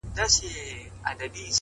لمن دي نيسه چي په اوښكو يې در ډكه كړمه،